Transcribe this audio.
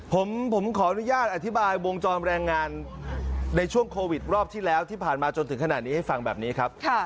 ผมขออนุญาตอธิบายวงจรแรงงานในช่วงโควิดรอบที่แล้วที่ผ่านมาจนถึงขนาดนี้ให้ฟังแบบนี้ครับ